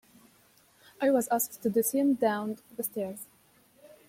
I was asked to descend down the stairs.